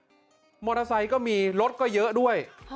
รถไฟฟ้าซ้ายก็มีรถก็เยอะด้วย